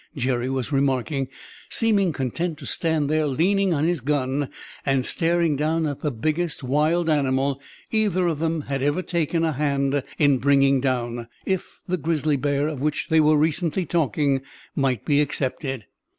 Jerry was remarking, seemingly content to stand there leaning on his gun and staring down at the biggest wild animal either of them had ever taken a hand in bringing down, if the grizzly bear, of which they were recently talking, might be excepted.